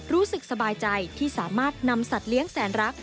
รู้สึกสบายใจที่สามารถนำสัตว์เลี้ยงแสนรัก